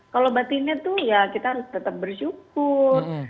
kalau batinnya tuh ya kita harus tetap bersyukur